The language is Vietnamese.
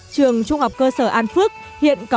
trường trung học cơ sở an phước hiện có một mươi năm